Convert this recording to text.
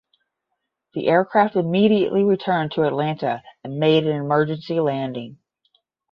The aircraft immediately returned to Atlanta and made an emergency landing.